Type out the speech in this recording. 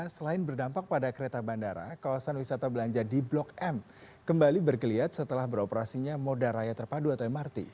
selain berdampak pada kereta bandara kawasan wisata belanja di blok m kembali bergeliat setelah beroperasinya moda raya terpadu atau mrt